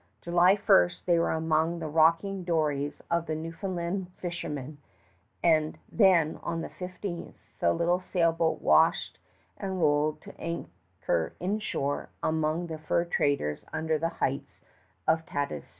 July 1st they were among the rocking dories of the Newfoundland fishermen, and then on the 15th the little sailboat washed and rolled to anchor inshore among the fur traders under the heights of Tadoussac.